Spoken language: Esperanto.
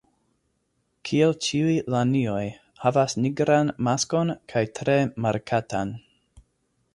Kiel ĉiuj lanioj, havas nigran maskon kaj tre markatan.